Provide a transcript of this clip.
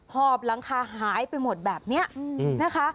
หอบหลังคาหายไปหมดแบบนี้นะคะ